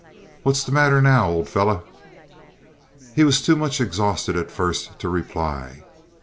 "What's the matter now, old fellow?" He was too much exhausted at first to reply.